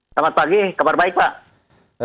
selamat pagi kabar baik pak